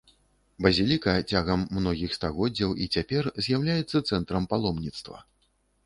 Базіліка цягам многіх стагоддзяў і цяпер з'яўляецца цэнтрам паломніцтва.